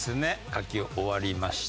書き終わりました。